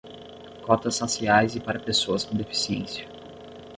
Cotas raciais e para pessoas com deficiência